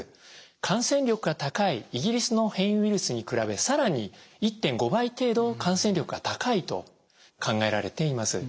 感染力が高いイギリスの変異ウイルスに比べ更に１．５倍程度感染力が高いと考えられています。